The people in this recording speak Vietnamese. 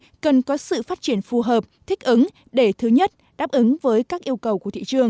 vấn đề cần đặt ra là iot cần có sự phát triển phù hợp thích ứng để thứ nhất đáp ứng với các yêu cầu của thị trường